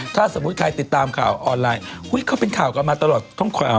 เห็นไหมน่ะความคิดตรงไปตรงมา